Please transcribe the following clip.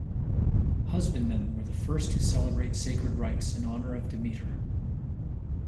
Husbandmen were the first to celebrate sacred rites in honor of Demeter.